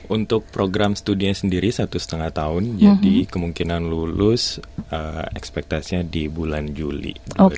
untuk program studinya sendiri satu lima tahun jadi kemungkinan lulus ekspektasinya di bulan juli dua ribu dua puluh empat